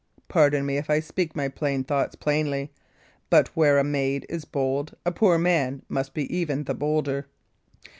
Pardon me if I speak my plain thoughts plainly; but where a maid is very bold, a poor man must even be the bolder."